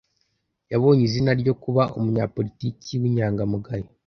Yabonye izina ryo kuba umunyapolitiki w'inyangamugayo.